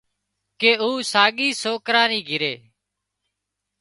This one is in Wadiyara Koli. ڪي او ساڳي سوڪرا نِي گھري